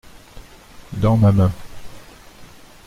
Dans ma main.